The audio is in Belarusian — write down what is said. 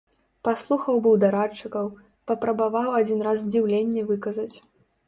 Паслухаў быў дарадчыкаў, папрабаваў адзін раз здзіўленне выказаць.